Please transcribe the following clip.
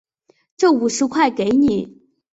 这五十块给你